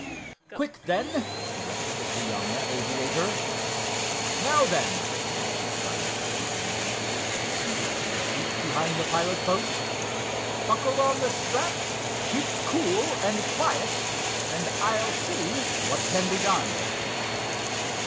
"Quick, then!" directed the young aviator. "Now then," as he guided the unusual passenger to the seat behind the pilot post, "buckle on the straps, keep cool and quiet, and I'll see what can be done."